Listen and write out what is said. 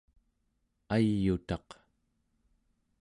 ay'utaq